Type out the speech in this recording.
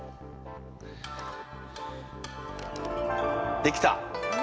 できた。